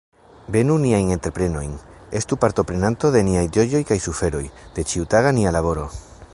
Benu niajn entreprenojn, estu partoprenanto de niaj ĝojoj kaj suferoj, de ĉiutaga nia laboro.